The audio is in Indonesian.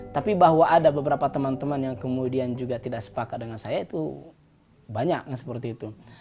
tapi bahwa ada beberapa teman teman yang kemudian juga tidak sepakat dengan saya itu banyak seperti itu